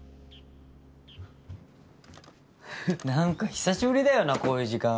何か久しぶりだよなこういう時間。